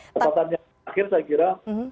catatan yang terakhir saya kira